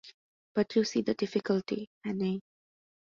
But you see the difficulty, Hannay.